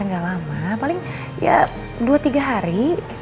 nggak lama paling ya dua tiga hari